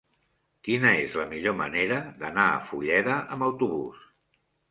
Quina és la millor manera d'anar a Fulleda amb autobús?